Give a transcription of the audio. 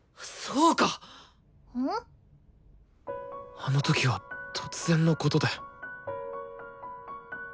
あの時は突然のことで。